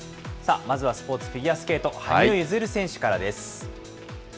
まずはスポーツ、フィギュアスケート、羽生結弦選手からです。